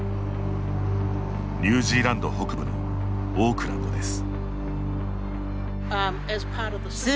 ニュージーランド北部のオークランドです。